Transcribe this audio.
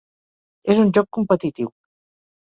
És un joc competitiu.